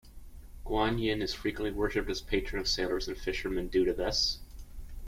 Guanyin is frequently worshipped as patron of sailors and fishermen due to this.